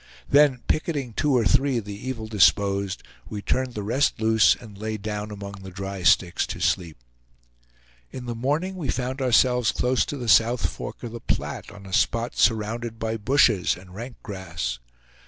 Then picketing two or three of the evil disposed we turned the rest loose and lay down among the dry sticks to sleep. In the morning we found ourselves close to the South Fork of the Platte on a spot surrounded by bushes and rank grass.